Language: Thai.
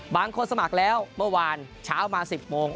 สมัครแล้วเมื่อวานเช้ามา๑๐โมง